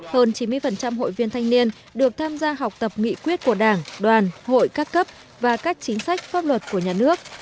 hơn chín mươi hội viên thanh niên được tham gia học tập nghị quyết của đảng đoàn hội các cấp và các chính sách pháp luật của nhà nước